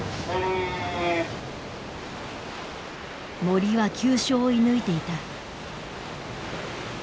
もりは急所を射ぬいていた。